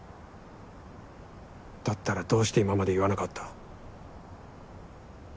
だったらどうして今まで言わなかった？